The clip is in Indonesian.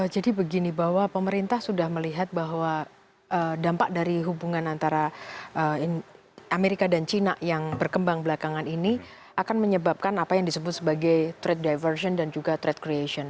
jadi begini bahwa pemerintah sudah melihat bahwa dampak dari hubungan antara amerika dan china yang berkembang belakangan ini akan menyebabkan apa yang disebut sebagai trade diversion dan juga trade creation